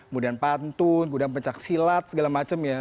mudan pantun gudang pecah silat segala macem ya